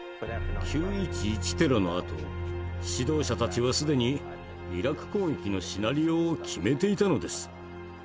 ９・１１テロのあと指導者たちは既にイラク攻撃のシナリオを決めていたのです。